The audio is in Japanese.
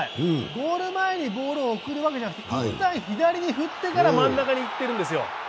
ゴール前にボールを置くわけではなくて一旦左に振ってから真ん中にいっているんですよ。